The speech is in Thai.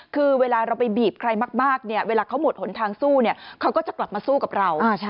คือเวลาเราไปบีบใครมากเนี่ยเวลาเขาหมดหนทางสู้เขาก็จะกลับมาสู้กับเรา